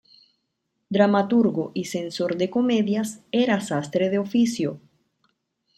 Dramaturgo y censor de comedias, era sastre de oficio.